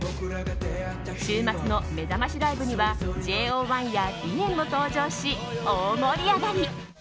週末のめざましライブにはＪＯ１や美炎‐ＢＩＥＮ‐も登場し大盛り上がり！